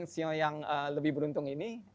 sio yang lebih beruntung ini